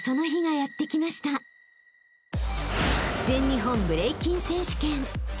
［全日本ブレイキン選手権］